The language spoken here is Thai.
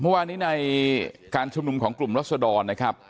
เมื่อวานนี้ในการชุมนุมของกลุ่มรัศดรนะครับ